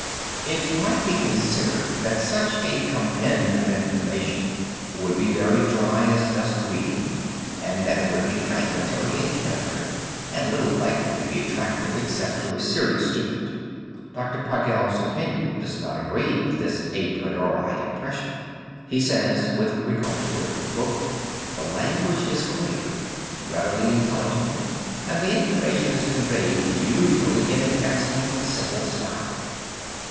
] It might be considered that such a compend of information would be very dry as dust reading and that it would be fragmentary in character and little likely to be attractive except to a serious student. Dr. Pagel's opinion does not agree with this a priori impression. He says with regard to it: "The language is clear, readily intelligible, and the information is conveyed usually in an excellent, simple style.